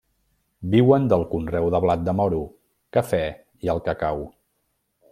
Viuen del conreu de blat de moro, cafè i el cacau.